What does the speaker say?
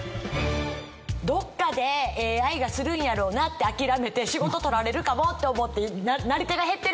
どこかでＡＩがするんやろうなって諦めて仕事取られるかもって思ってなり手が減ってる。